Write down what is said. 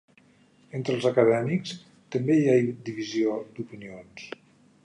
Entre els acadèmics també hi ha divisió d'opinions.